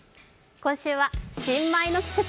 今週は新米の季節。